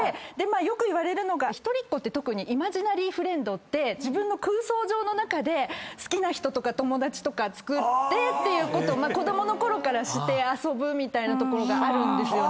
よくいわれるのが一人っ子ってイマジナリーフレンドって自分の空想上の中で好きな人とか友達とかつくってっていうこと子供のころからして遊ぶみたいなところがあるんですよね。